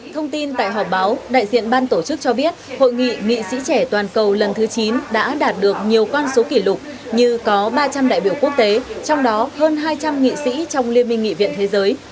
thông tin tại họp báo đại diện ban tổ chức cho biết hội nghị nghị sĩ trẻ toàn cầu lần thứ chín đã đạt được nhiều con số kỷ lục như có ba trăm linh đại biểu quốc tế trong đó hơn hai trăm linh nghị sĩ trong liên minh nghị viện thế giới